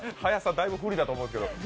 だいぶ不利だと思うんですけど。